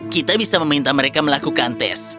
kita bisa meminta mereka melakukan tes